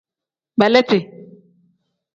Beleeti.